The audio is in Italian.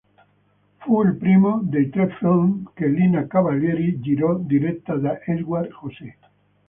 Fu il primo dei tre film che Lina Cavalieri girò diretta da Edward José.